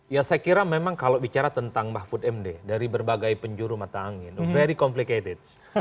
ya saya kira memang kalau bicara tentang mahfud md dari berbagai penjuru mata angin very complicated